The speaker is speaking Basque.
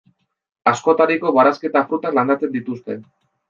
Askotariko barazki eta frutak landatzen dituzte.